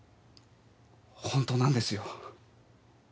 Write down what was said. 本当なんですよ。